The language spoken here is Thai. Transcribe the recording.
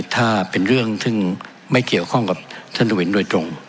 ถ้าเป็นเรื่องซึ่งไม่เกี่ยวข้องกับท่านทวินโดยตรง